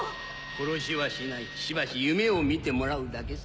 殺しはしないしばし夢を見てもらうだけさ。